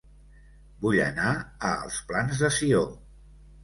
Vull anar a Els Plans de Sió